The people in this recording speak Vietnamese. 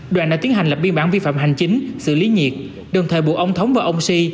đoàn đã tiến hành lập biên bản vi phạm hành chính xử lý nhiệt đồng thời buộc ông thống và ông si